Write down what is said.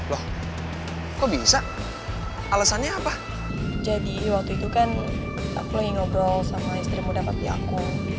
loh kok bisa alasannya apa jadi waktu itu kan aku lagi ngobrol sama istrimu dapati aku